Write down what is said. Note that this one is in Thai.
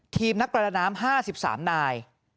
นักประดาน้ำ๕๓นาย